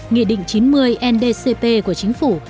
nghị định chín mươi ndcp của chính phủ